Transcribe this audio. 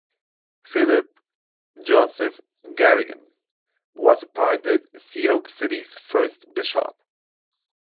Philip Joseph Garrigan, was appointed Sioux City's first bishop.